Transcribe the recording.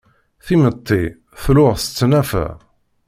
Timetti tluɣ s tnafa.